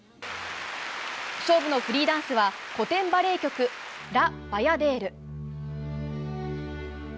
勝負のフリーダンスは古典バレエ曲「ラ・バヤデール」。